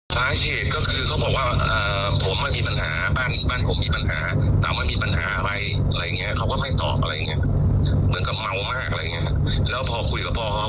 เขาก็ไม่ตอบอะไรเงี้ยเหมือนกับเมามากอะไรเงี้ยแล้วพอคุยกับพ่อเขา